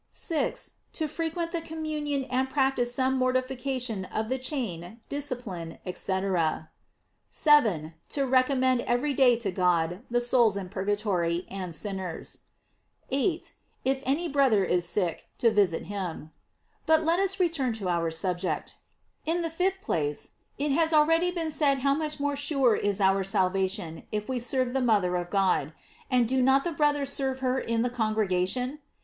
6. To frequent the communion and practise some mortification of the chain, discipline, &c. 7. To recommend every day to God the souls in purgatory, and sinners. 8. If any brother is sick, to visit him. But let us return to out subject. In the fifth place: It has already been said how much more sure is our salvation if we serve the mother of God; and do not the brothers serve her in the congregation